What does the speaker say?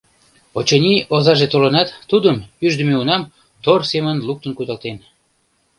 Очыни, озаже толынат, тудым, ӱждымӧ унам, тор семын луктын кудалтен...